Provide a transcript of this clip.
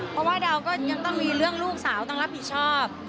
เพราะว่าดาวก็ยังต้องมีเรื่องลูกสาวต้องรับผิดชอบ